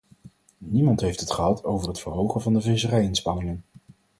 Niemand heeft het gehad over het verhogen van de visserij-inspanningen.